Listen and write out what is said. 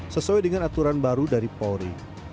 sesuai dengan aturan baru dari polri